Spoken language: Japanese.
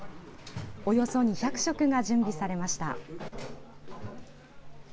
およそ２００食が準備されました。